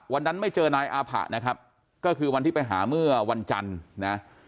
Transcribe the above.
ไม่เจอนายอาผะนะครับก็คือวันที่ไปหาเมื่อวันจันทร์นะ